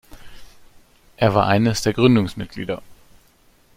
Er war eines der Gründungsmitglieder.